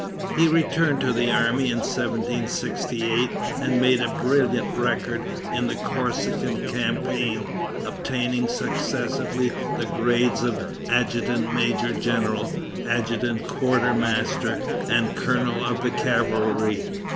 He returned to the army in 1768, and made a brilliant record in the Corsican campaign, obtaining successively the grades of adjutant major general, adjutant quartermaster, and colonel of cavalry.